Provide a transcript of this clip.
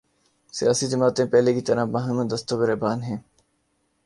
سیاسی جماعتیں پہلے کی طرح باہم دست و گریبان ہیں۔